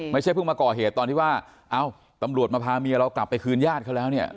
ไม่ใช่เพิ่งมาก่อเหตุตอนที่ว่าเอ้าตำรวจมาพาเมียเรากลับไปคืนญาติเขาแล้วเนี่ย